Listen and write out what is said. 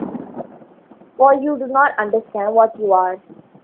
For you do not understand what you are.